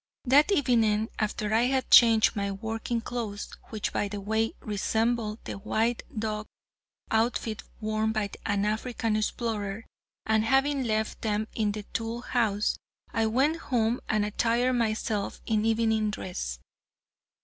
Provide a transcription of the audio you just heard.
That evening, after I had changed my working clothes, which by the way, resembled the white duck outfit worn by an African explorer, and, having left them in the tool house, I went home and attired myself in evening dress.